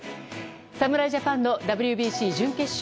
侍ジャパンのＷＢＣ準決勝。